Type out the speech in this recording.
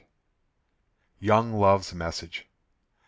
YOUNG LOVE'S MESSAGE.